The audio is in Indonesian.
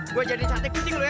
gue jadi cantik kucing lu ya